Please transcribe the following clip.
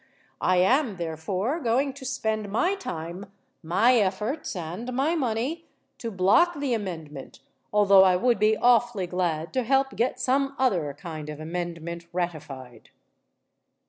I am therefore, going to spend my time, my efforts and my money to block the amendment, although I would be awfully glad to help get some other kind of amendment ratified."